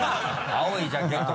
青いジャケット。